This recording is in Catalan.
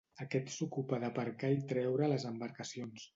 Aquest s'ocupa d'aparcar i treure les embarcacions.